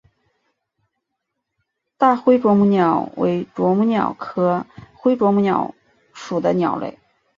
大灰啄木鸟为啄木鸟科灰啄木鸟属的鸟类。